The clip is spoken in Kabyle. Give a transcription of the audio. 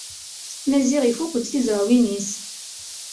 Maziɣ ifukk-d tizrawin-is.